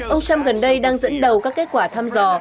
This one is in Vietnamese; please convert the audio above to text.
ông trump gần đây đang dẫn đầu các kết quả thăm dò